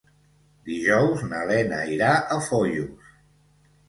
Dijous na Lena irà a Foios.